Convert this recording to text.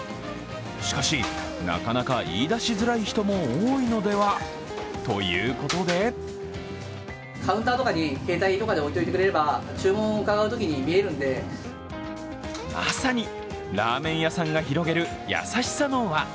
しかし、なかなか言い出しづらい人も多いのでは、ということでまさにラーメン屋さんが広げる優しさの輪。